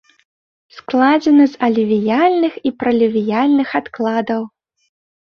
Складзена з алювіяльных і пралювіяльных адкладаў.